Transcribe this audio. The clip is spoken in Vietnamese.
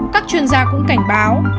các chuyên gia cũng cảnh báo